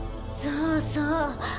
そうそう。